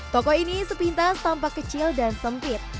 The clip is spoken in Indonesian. toko ini sepintas tampak kecil dan sempit